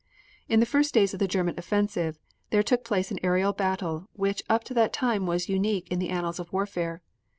In the first days of the German offensive there took place an aerial battle which up to that time was unique in the annals of warfare.